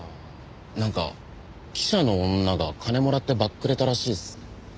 なんか記者の女が金もらってばっくれたらしいっす。